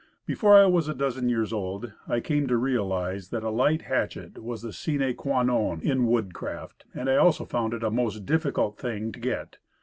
Before I was a dozen years old I came to realize that a light hatchet was a sine qua non in woodcraft, and I also found it a most difficult thing to get.